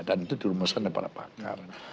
dan itu dirumuskan oleh para pakar